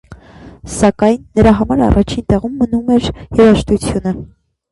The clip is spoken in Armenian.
Սակայն նրա համար առաջին տեղում նմում էր երաժշտությունը։